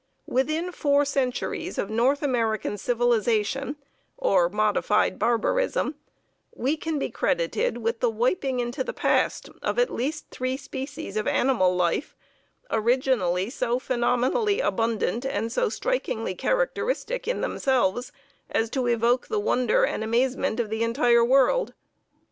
Within four centuries of North American civilization (or modified barbarism) we can be credited with the wiping into the past of at least three species of animal life originally so phenomenally abundant and so strikingly characteristic in themselves as to evoke the wonder and amazement of the entire world.